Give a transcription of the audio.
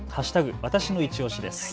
わたしのいちオシです。